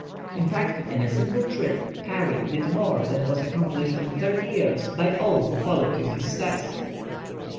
In fact in a single trip Parry did more than was accomplished in thirty years by all who followed in his steps.